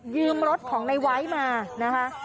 ยืมรถของในไว้มานะคะ